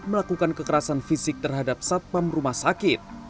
melakukan kekerasan fisik terhadap satpam rumah sakit